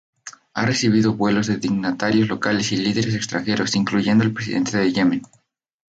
Ha recibido vuelos de dignatarios locales y líderes extranjeros, incluyendo el presidente de Yemen.